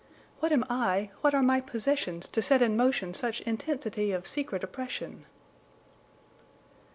What am I, what are my possessions to set in motion such intensity of secret oppression?"